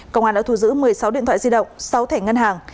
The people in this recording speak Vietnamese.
công an đã thu giữ một mươi sáu điện thoại di động sáu thẻ ngân hàng